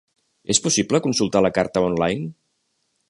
És possible consultar la carta online?